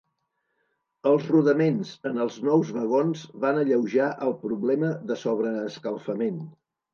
Els rodaments en els nous vagons van alleujar el problema de sobreescalfament.